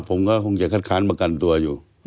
ผมก็คงจะคัดค้านประกันตัวอยู่